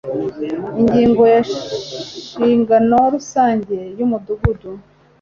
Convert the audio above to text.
ingingo ya ishingano rusange y umudugudu